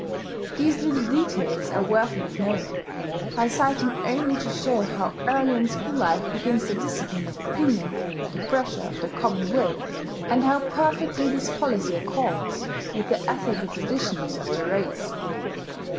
(These little details are worthy of note: I cite them only to show how early in school life begins the discipline of opinion, the pressure of the common will, and how perfectly this policy accords with the ethical traditions of the race.)